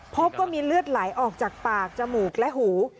พบว่ามีเลือดไหลออกจากปากจมูกและหู